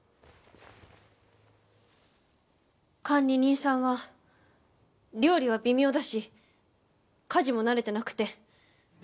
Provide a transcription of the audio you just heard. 管理人さんは料理は微妙だし家事も慣れてなくて。